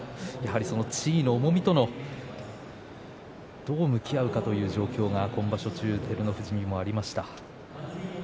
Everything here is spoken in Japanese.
地位の重みとどう向き合うかというそれが照ノ富士にもありました。